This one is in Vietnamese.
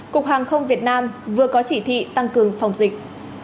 cục hàng không việt nam vừa có chỉ thị tăng cường phòng dịch